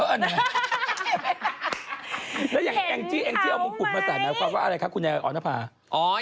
เอิ้นเห็นเขาไหมถ้าอยากให้แองจี้เอามุมกุ่มมาสั่งนะความความว่าอะไรคะคุณแน่นอนภาษา